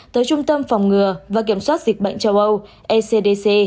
tới trung tâm phòng ngừa và kiểm soát dịch bệnh châu âu ecdc